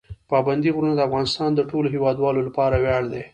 پابندي غرونه د افغانستان د ټولو هیوادوالو لپاره ویاړ دی.